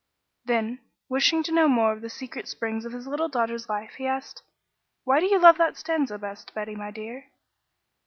Then, wishing to know more of the secret springs of his little daughter's life, he asked: "Why do you love that stanza best, Betty, my dear?"